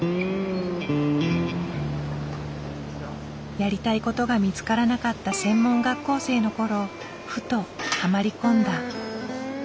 やりたいことが見つからなかった専門学校生の頃ふとハマり込んだ。